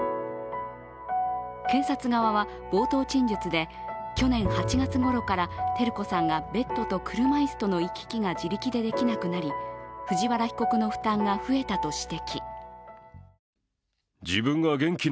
検察側は冒頭陳述で去年８月ごろから照子さんが車椅子とベッドの行き来が自力でできなくなり藤原被告の負担が増えたと指摘。